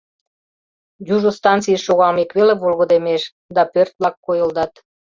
Южо станцийыш шогалмек веле волгыдемеш, да пӧрт-влак койылдат.